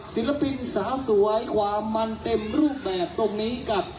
เฮ้ยป๊าปป๊าปป๊าปมันอยู่ทางนี้